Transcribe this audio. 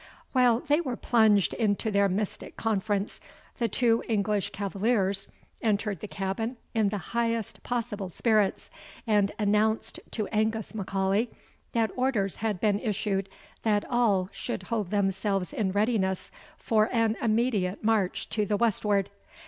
While they were plunged into their mystic conference, the two English cavaliers entered the cabin in the highest possible spirits, and announced to Angus M'Aulay that orders had been issued that all should hold themselves in readiness for an immediate march to the westward.